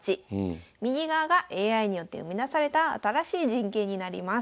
右側がＡＩによって生み出された新しい陣形になります。